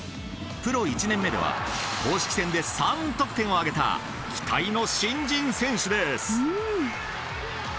プロ１年目では公式戦で３得点を挙げた期待の新人選手です。